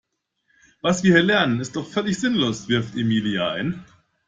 Was wir hier lernen ist doch völlig sinnlos, wirft Emilia ein.